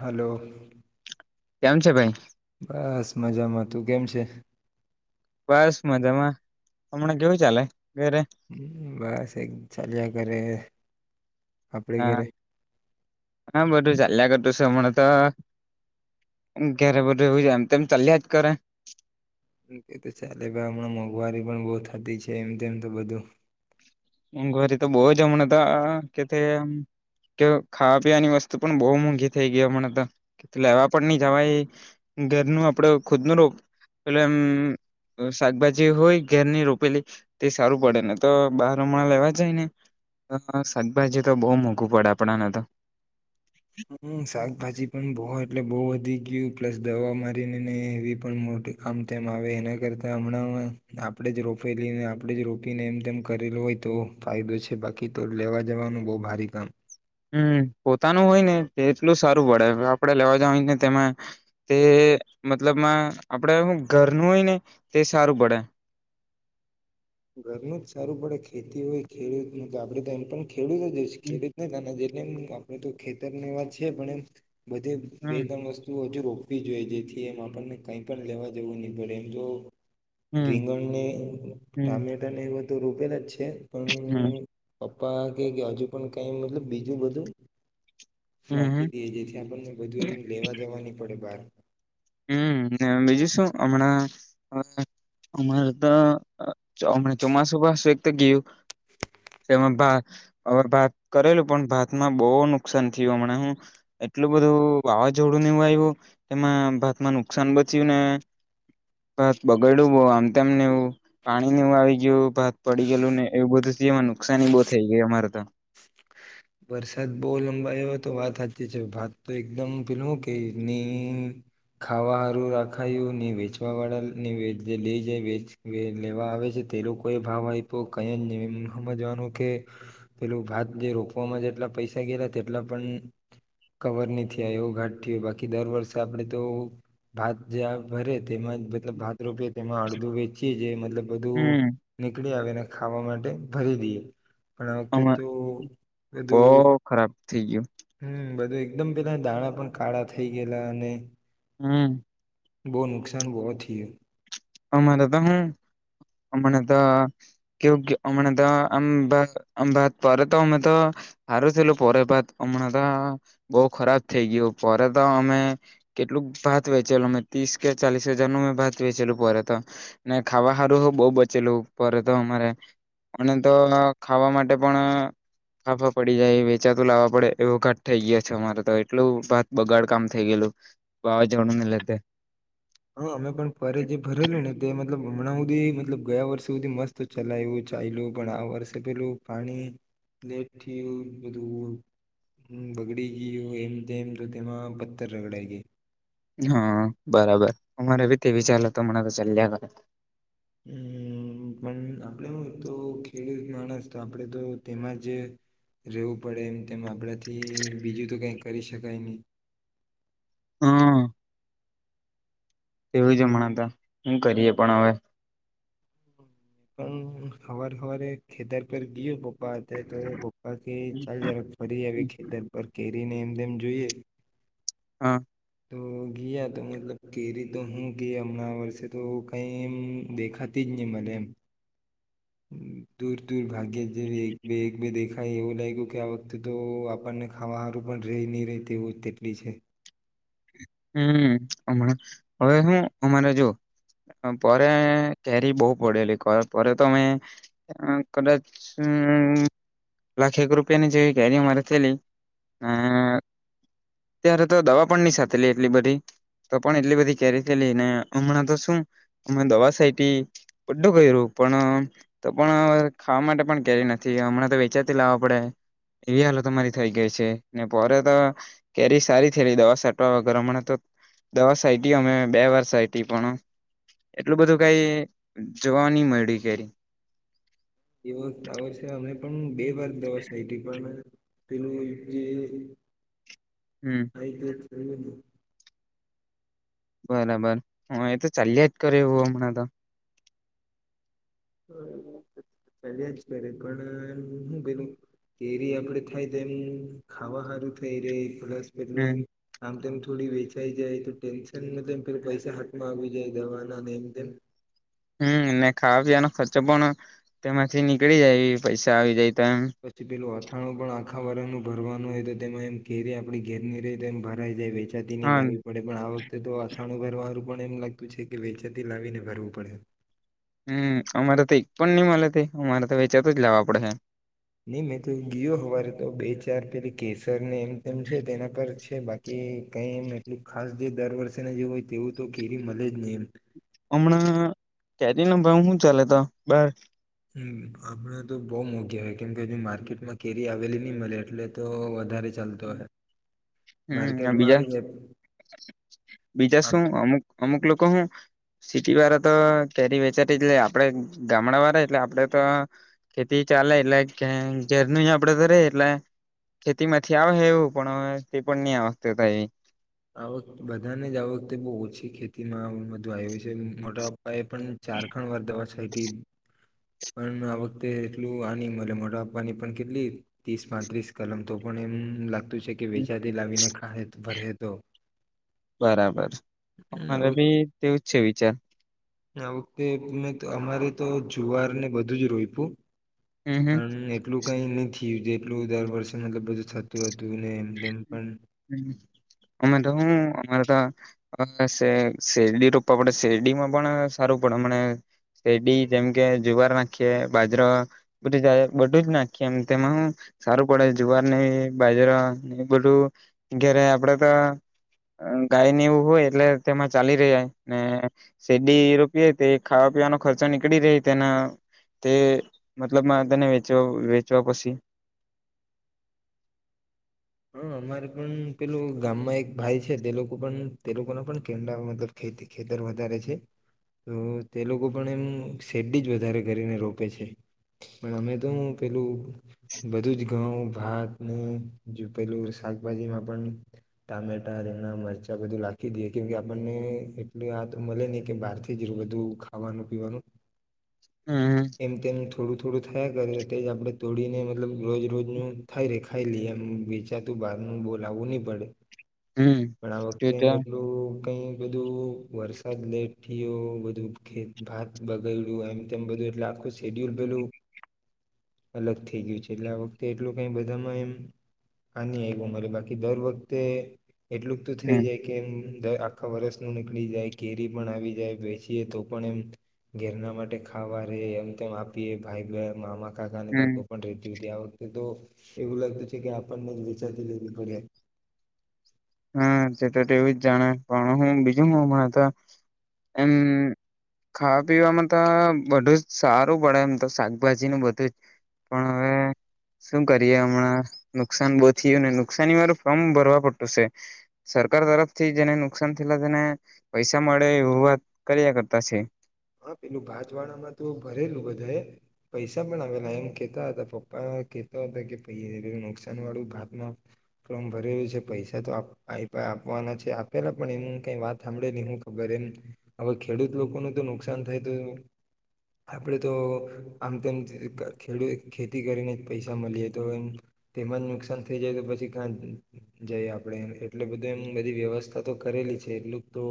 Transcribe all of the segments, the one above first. Hello કેમ છે ભાઈ બસ મજામાં તું કેમ છે બસ મજામાં હમણા કેવું ચાલે ઘરે? બસ એક ચાલ્યા કરે આપડે હા, ઘરે હા, બધું ચાલ્યાં કર તું સે હમણા તો, ઘેરે બધું એવું જ એમ તેમ ચાલ્યા જ કરે તો ચાલે ભાઈ હમણાં મોંઘવારી પણ બહુ થતી છે, એમ તેમ તો બધું મોંઘવારી તો બહુ જ હમણાં હતા કેથે ખાવા પીવાની વસ્તુ પણ બહુ મોંઘી થઈ ગઈ હમણાં તો, લેવા પણ ની જવાય, ઘરનું આપડ ખુદ નું રો એટલે એમ શાકભાજી હોય, ઘરની રોપેલી તે સારું પડે ને તો બહાર હમણા લેવા જાય ને શાકભાજી તો બહુ મોંઘું પડે આપણાને તો હમ, શાકભાજી પણ બવ એટલે બહુ વધી ગયું, પ્લસ દવા મારીને નહી એવી પણ મોટી આમ તેમ આવે એના, કરતા હમણાં આપણે જ રોપેલીને આપણે જ રોપીને એમ તેમ કરેલું હોય તો ફાયદો છે બાકી તો લેવા જવાનું બહુ ભારે કામ હમ, પોતાનું હોય ને તે એટલું સારું પડે આપડે લેવા જવા હોય ને તેમાં તે મતલબમાં આપડે ઘરનું હોય ને તે સારું પડે ઘરનું જ સારું પડે ખેતી હોય ખેડૂતનુ તો આપડે તો એમ પણ ખેડૂતો જે ખે [unintelligible] નને જે એમ આપડે તો ખેતરની વાત છે પણ એમ બધે, બે, હમ ત્રણ, વસ્તુ હજુ રો જોઈએ જેથી એમ આપણને કઈ પણ લેવા જવું નહી પડે એમ તો હમ રીંગણને હમ ટામેટા ને એ તો રોપેલા જ છે પણ હમ પા કે હજુ પણ કઈ મતલબ બીજું બધું હમ નાખી દેએ જેથી આપણને બધું એમની લેવા જવાની ન પડે બહાર. હ બીજું શું હમણાં અમારે તો હમણા ચોમાસું પાસું એક તો ગયું તેમાંાત હવે ભાત કરેલું પણ ભાતમાં બહુ નુકસાન થયું હમણાં હું એટલું બધું વાવાઝોડું ને આવ્યું એમાંત ભાતમાં નુકસાન બચય્યું ને ભાત બગાડ્યું બહ આમતેમ ને એવું પાણીને એવું આવી ગયું ભાત પડી ગયેલું ને એવું બધું એમાં નુકસાની બહુ થઈ ગઈ અમારે તો વરસાદ બહ લંબાયો તો વાત સાચી છે ભાત તો એકદમ પેલું કે ની ખાવાારું રાખાયું ને વેચવા વાળા ને જે લઈ જાય લેવા આવે છે પેલો કોઈ ભાવ આપ્યો કઈ એ સમજવાનું કે પેલું ભાત જે રો માં જેટલા પૈસા ગેલા તેટલા પણ કવર ન આ એવો ઘાટ થયયો બાકી દર વર્ષે આપણેે તો ભાત જં ભરે તેમાં મતલબ ભાત રોપીએ તેમાં અડધું વેચીએ જે મતલબ બધું હમ નીકળી આવે. ખાવા માટે ભરી દઈએ. પણ આ વખતે તો બધું બહ ખરાબ. થય ગયું. હમ બધું એકદમ પેલા દાણા પણ કાળા થઈ ગયેલા અને હમ. બવ નુકસાન, બહુ થયું અમારે તો હું, હમણાં તો કેવું કે હમણાં તો આમ ભાત પરે તો અમે તો હારું થયેલું પોરે ભાત, હમણાં તો બહુ ખરાબ થઇ ગયું પોરે તો અમે કેટલુંક ભાત વેચેલું અમે ત્રીસ કે ચાલીસ હજાર નો ભાત વેચેલું પોરે તો ને ખાવાહારું બહુ બચેલું પોરે તો અમારે અને તો ખાવા માટે પણ ફાફા પડી જાય વેચાતું લાવવા પડે એવો ઘાટ થઈ ગયો છે અમારે તો એટલું ભાત બગાડ કામ થઈ ગયેલું, વાવાઝોડુંને લીધે હા, અમે પણ ફરેજી ભરેલું ને તે મતલબ હમણાં હુધી, મતલબ ગયા વર્ષે સુધી મસ્ત ચલાયુ ચાલયુ પણ આ વર્ષે પેલું પાણી લેટથીય બધું બગડી ગયું એમતેમ તો તેમાં પથ્થર રગડાઈ ગેય હા, બરાબર અમારે બી તે વિચાર લ તો મણા તો ચાલ્યા કરે હમ, પણ આપણે હું તો ખેડૂત માણસ તો આપણેે તો તેમાં જ રહેેવું પડે એમ તેમ આપણાથી બીજું તો કઈ કરી શકાય નહી હા એવું જ હમણાં તો હું કરીએ પણ હવે હમ હવાર હવારે એ ખેતર પેર ગયો બાત હ તો પપ્પા કે ચાલ જરાક ફરી આવી ખેતર પર કે ને એમ તેમ જોઈએ હા તો, ગીયા તો મતલબ કેરી તો હું ગઈ હમણાં વર્ષે તો કઈ એમ દેખાતી જ ની મલે એમ, દૂર દૂર ભાગ્યે જેવી એક બે, એક બે દેખાય એવું લાગ્યું કે આ વખતે તો આપણને ખાવાહારું પણ રે નહીં રહે તેવું તેટલી છે હમ, હમણા હવે હું અમારે જો પરે કેરી બોવ પડેલી તો પરે અમે કદાચ લાખેક રૂપિયાની જેવી કેરી અમારે થેલી ત્યારે તો દવા પણ નહી સાથે એટલી બધી તો પણ એટલી બધી કેરી થયેલી ને હમણાં તો શું હમે દવા છાયટી બધું કર્યું પણ તો પણ ખાવા માટે પણ કેરી નથી હમણાં તો વેચાતી લાવવા પડે એવી હાલત અમારી થઈ ગઈ છે ને પરે તો કેરી સારી થયેલી દવા વર હમણા તો દવા સાઈટી અમે બે વાર સાઈટી પણ એટલું બધું કઈ જોવા નઈ મળ્યું કેરી એવુ આ વર્ષ અમે પણ બે વાર દવાશે એટ પણ પ હમ [unintelligible] આઈગેટ તેઈબંદ બરાબર હા, એ તો ચાલ્યા જ કરે એવું હમણાં તો હ ચાલ્યા જ કરે પણ હું પેલું એરી આપડે થાય તો એમ ખાવા હારું થઈ રે [unintelligible] હમ થોડી વેચાઈ જાય તો ટેન્શન પે પૈસા હાથમાં આવી જાય દવાના ને એમ તેમ હમ અને ખાવા પીવાનો ખર્ચો પણ તેમાંથી નીકળી જાય એ પૈસા આવી જાય. તો એમ પછી પેલું વાત ખણું પણ આખા વરાનું ભરવાનું હોય તો તેમાં એમ ઘેરી આપણી ઘેરની રહે તો એમ ભરાઈ જાય છે નદીની હા લાવવી પડે પણ આ વખતે તો થાણું ભરવારું પણ એમ લાગતું છે કે વેચાતી લાવીને ભરવું પડે. હમ અમારે તો એક પણ નહી મળે અમારે તો વેચાતો જ લાવવા પડે છે. નિમેિત તો ગીયો હવારે તો બે ચાર પેરી કેસર મ તેમ છે તેના પર છે બાકી કઈ એમ એટલ ખાસ જે દર વર્ષે ના જેવ હોય તેવું તો કેરી મળે જ નહી એમ. હમણાં કેરીનો ભાઈ શું ચાલે ત બાર હ આપડ તો બહુ મોઘી હોય કેમ હજુ માર્કેટમાં કેરી આવેલી નહી મળે એટલે તો વધારે ચાલતો હોય હમ માર્કેટમાં બીજા આવી જાય બીજા શું આપ અમુક અમુક લોકો હું સિટી વાળા તો કેરી વેચાતી જ લે, આપડે ગામડા વાળા એટલે [unintelligible] ખેતી ચાલે એટલે ઘર ન આપડે તો ર એટલે ખેતીમાં આવે હવું પણ હ તે પણ નહી આવતા એવી આ વખતે બધાને જ આ વખતે બહુ ઓછી ખેતીમાં વધુ વાવીયું છે મોટા એ પણ ચારખંડ વર્ધવા સ પણ આ વખતે એટલું આની મરે મોટ આપવાની પણ કેટલી ત્રીસ પાંત્રીસ કલમ તો પણ એમ લાગ કે વેચાથી લાવીને ખ ભરે તો બરાબર હ અમારે હવે બી તેવું છે વિચાર આ વખતે મે અમારે તો જુવારને બધું જ રોઈપ્યું હમ હમ પણ એટલું કઈ નથી. જેટલું દર વર્ષે મતલબ બધું થતું હતું તેમ પણ અમે તો હું અમારે શેરડી રોપવા પડે શેરડીમાં પણ સારું પડે મને શેરડી જેમ કે જુવાર નાખીએ બાજરા બધું જ બધું જ નાખીએ એ તેમાં સારું પડે જુવારને બાજરા બધું ઘ્યારે આપડે તો ગાયને એવું હોય એટલે તેમાં ચાલી રહ્યા ને શેડી રોપીએ તે ખાવા પીવાનો ખર્ચો નીકળી રહી તેના તે મતલબમાં તે વચવા વેચવા પછી હા અમારે પણ પેલું ગામમાં એક ભાઈ છે તે લોકો પણ તે લોકોના પણ કેડા મતલબેતી ખેતર વધારે છે તો તે લોકો પણ એમ શેરડી જ વધારે કરીને રોપે છે પણ અમે તો પેલું બધું જ ઘઉં ભાત જો પેલું શાકભાજીમાં પણ ટામેટા, રીંગણા, મરચા બધું રાખી દઈએ કેમ કે આપણને એટલ આ તો મળે નહી કે બહાર થી જ બધું ખાવાનું પીવાનું હમ એમ તેમમ થોડું થોડું થયા કરે તે જ આપડણે તોડીને મતલબ રોજ રોજનું થાય ર ખાઈ લઈએ એમ વેચાતું બહાર ન બોલાવવું નહી પડે. હમ પણ આ તે વખતે તો એટલું કઈ બધું વરસાદ લેટ થયો બધું ભાત બગાડ્યું એમ તેમ બધું એટલે આખું શેડ્યુલ બલું અલગ થઈ ગયું છે એટલે આ વખતે એટલું કઈ બધામાં એમ આની આવ્યું મારે બાકી દર વખતે એટલું તો થઈ હમ જાય કે એમ આખા વરષનું નીકળી જાય, ઘેરી પણ આવી જાય, બેસીએ તો પણ એમ ઘેરના માટે ખાવા રે એમ તેમ આપીએ ભાઈ બે મામા કાકા ને હમ ત્યાં પણ રેતી ત્યાં તો એવું લાગતું છે કે આપણને જ વિચાતીતી ઘડીએ. હમ્મ તે તો એવું જ જાણે પણ હું બીજું હ હમણાં તો એમ ખાવા પીવામાં તો બધું જ સારું પડે એમ તો શાકભાજી નું બધું જ પણ હવે શું કરીએ હમણાં નુકસાન બહુ થયું ને નુકસાની વારું ફોમ ભરવા પડતું છે. સરકાર તરફ થી જેને નુકસાન થયેલા તેને પૈસા મળે એવું વાત કર્યા કરતા છે. હા પેલું ભાત વાળામાં તો ભરેલું બધા એ પૈસા પણ આવેલા એમ કેતા હતા પપ્પા કેતા હતા કે પે નુકસાન વાળું ભાતમાં ફમ ભરેલું છે પૈસા તો આયપા આપવાના છે આપેલા પણ એમ કઈ વાત સાંભળે નહી હું ખબર એમ હવે ખેડૂત લોકોનું તો નુક કસાન થાય તો આપણેે તો આમ તેમ ખેડૂત ખેતી કરીને જ પૈસા મળીએ તો એમ તેમાં જ નુકસાન થઈ જાય તો પછી કાઇ જઈ આપણે એટલે બધું એમ બધી વ્યવસ્થા તો કરેલી છે એટલું તો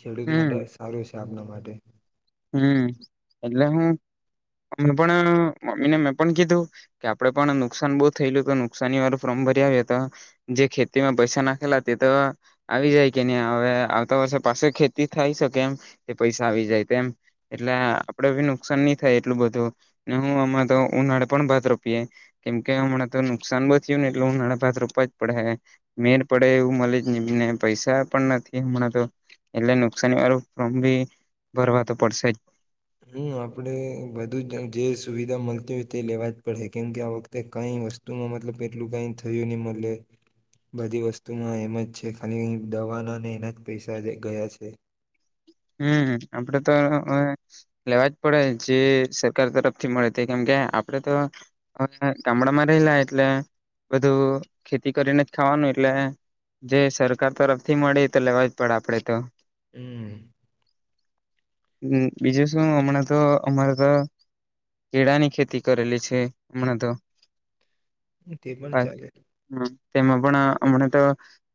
ખેડૂત માટે સારું છે. કે આપણા માટે હમ્મ એટલે હું અ પણ મમ્મીને મેં પણ કીધું કે આપડે પણ નુકસાન બહુ થયેલું તો નુકસાની વાળું ફોર્મ ભરી આવ્યો તો જે ખેતીમાં પૈસા નાખેલા તે તો આવી જાય કે નહી હવે આવતા વર્ષે પાસે ખેતી થાય છેકે એમ તે પૈસા આવી જાય તેમ. એટલે આપડે બી નુકસાન નહી થાય એટલું બધું ને હું હમણાં તો ઉનાળે પણ ભાત રોપીએે કેમકે હમણાં તો નુકસાન વી થયું ને એટલે ઉનાળે ભાત રોપવા જ પડે મેર પડે એવું મળી જ હીને પૈસા પણ નથી હમણાં તો એટલે નુકસાની વાળું ફોર્મ ભી ભરવા તો પડશે જ. હમ્મ આપણે બધું જ જે સુવિધા મળતી હોય તે લેવા જ કેમ કે આ વખતે કઈ વસ્તુમાં મતલબ એટલું કઈ થયું નહી મળે બધી વસ્તુમાં એમ જ છે ખાલી દવાના ને એના જ પૈસા ગયા છે. હમ્મ આપડે તો લેવા જ પડે જે સરકાર તરફથી મળે તે કેમ કે આપડે તો ગામડામાં રહેલા એટલે બધું ખેતી કરીને જ ખાવાનું એટલે જે સરકાર તરફથી મળે તો લેવા જ પડે આપડે તો. હમ બીજું શું હમણાં તો અમારે તો કેળાની ખેતી કરેલી છે હમણાં તો. તે પણ [unintelligible] ચાલે હમ્મ તેમાં પણ હમણા તો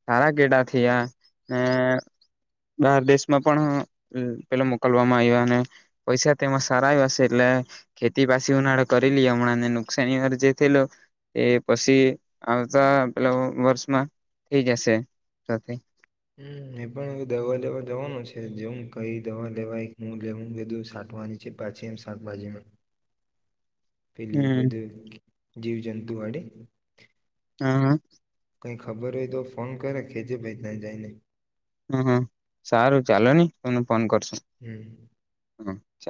સારા કેેડા થયા બાર દેશમાં પણ પેલ મોકલવામાં આવ્યા અને પૈસા તેમાં સારા આયવા શે એટલે ખેતી પાછી ઉનાળે કરી લીએ હમણાં નુકસાની પછી જે થયેલુ એ પછી આવતા પેલા વર્ષમાં થઈ જશે. હમ્મ એ પણ દવા લેવા જવાનો છે જેવ કઈ દવા લેવાય હું લેવું બધું સાઠવાની છે પાછી એમ શાકભાજીમાં. પેલી હમ વધુ જીવ જંતુ વાળી. હા હા કઈ ખબર હોય તો ફોન કરે કેેજે ભાઈ ત્યાં જઈને હમ સારું ચાલો નને કો ફોન કરશું હમ હ ચ